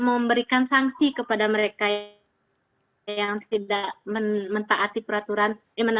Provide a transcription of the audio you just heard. hanya memberikan edukasi dan tidak memberikan sanksi kepada mereka yang tidak mentaati peraturan